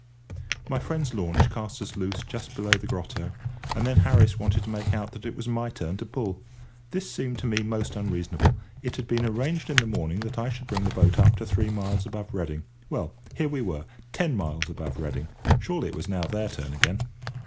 My friends' launch cast us loose just below the grotto, and then Harris wanted to make out that it was my turn to pull. This seemed to me most unreasonable. It had been arranged in the morning that I should bring the boat up to three miles above Reading. Well, here we were, ten miles above Reading! Surely it was now their turn again.